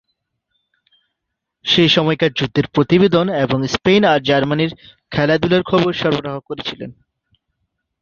সে সময়কার যুদ্ধের প্রতিবেদন এবং স্পেন আর জার্মানির খেলাধূলার খবর সরবরাহ করছিলেন।